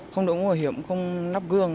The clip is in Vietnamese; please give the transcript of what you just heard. không đổ nguồn hiểm không nắp gương